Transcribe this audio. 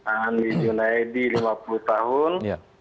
andi junaidi lima puluh tahun